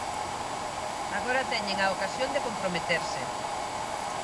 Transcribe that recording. Agora teñen a ocasión de comprometerse.